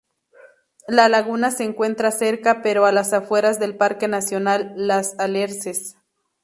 La laguna se encuentra cerca, pero a las afueras del Parque Nacional Los Alerces.